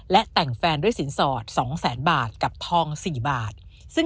และแต่งแฟนด้วยสินสอด๒แสนบาทกับทอง๔บาท